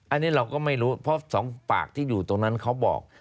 อันนี้เราก็ไม่รู้เพราะสองปากที่อยู่ตรงนั้นเขาบอก